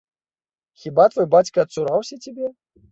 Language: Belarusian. Хіба твой бацька адцураўся цябе?